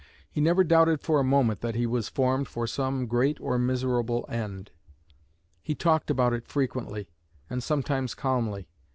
He never doubted for a moment that he was formed for some 'great or miserable end.' He talked about it frequently and sometimes calmly.